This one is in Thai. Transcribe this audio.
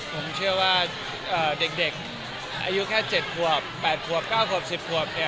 ผมเชื่อว่าเด็กอายุแค่๗ขวบ๘ขวบ๙ขวบ๑๐ขวบ